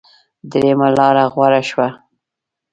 درېمه لاره غوره شوه.